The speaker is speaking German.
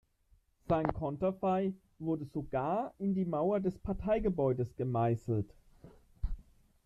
Sein Konterfei wurde sogar in die Mauer des Parteigebäudes gemeißelt.